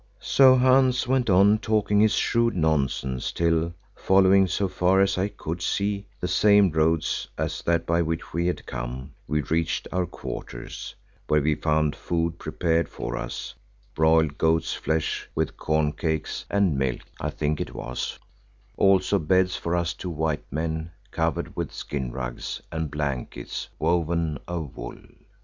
So Hans went on talking his shrewd nonsense till, following so far as I could see, the same road as that by which we had come, we reached our quarters, where we found food prepared for us, broiled goat's flesh with corncakes and milk, I think it was; also beds for us two white men covered with skin rugs and blankets woven of wool.